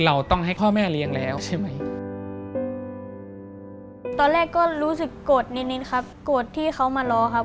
เราก็ต้องยอมรับสิ่งที่แม่เป็นครับ